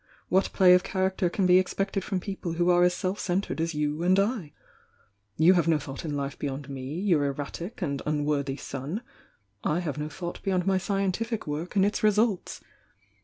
What play of character can be ex pected from people who are as self centred as you and I? You have no thought in hfe beyond me, your erratic and unworthy son, — I have no thought beyond my scientific work and its results.